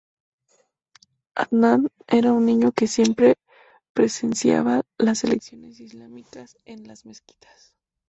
Adnan era un niño que siempre presenciaba las lecciones islámicas en las mezquitas.